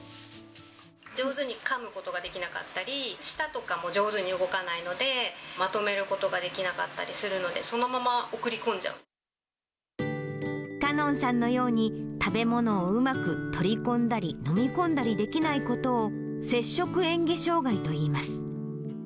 上手にかむことができなかったり、舌とかも上手に動かないので、まとめることができなかったりすかのんさんのように、食べ物をうまく取り込んだり、飲み込んだりできないことを、摂食えん下障がいといいます。